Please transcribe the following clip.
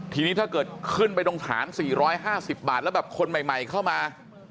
ทีนี้ถ้าเกิดขึ้นไปตรงฐานสี่ร้อยห้าสิบบาทแล้วแบบคนใหม่เข้ามา